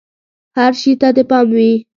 هر شي ته دې پام وي!